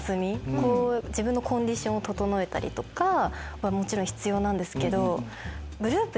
こう自分のコンディションを整えたりとかはもちろん必要なんですけど。